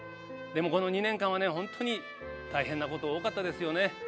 でも、この２年間は、本当に大変なことが多かったですよね。